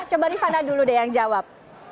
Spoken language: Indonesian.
coba rifana dulu deh yang jawab